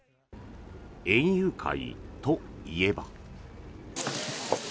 園遊会といえば。